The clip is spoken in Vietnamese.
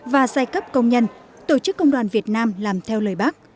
và giai cấp công nhân tổ chức công đoàn việt nam làm theo lời bác